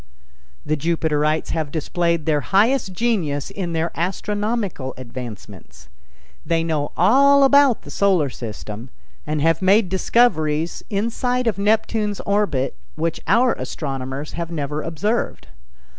The Jupiterites have displayed their highest genius in their astronomical advancements. They know all about the Solar System, and have made discoveries inside of Neptune's orbit which our astronomers have never observed.